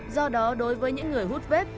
do đó đối với những người hút